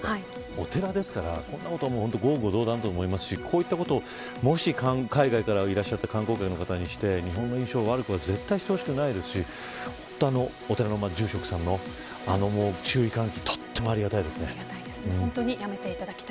お寺ですからこんなことは言語道断だと思いますし海外からいらっしゃった観光客に対して日本の印象を悪くしてほしくないですしお寺の住職さんの注意喚起とてもありがたいですね。